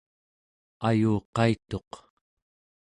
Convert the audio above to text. ayuqaituq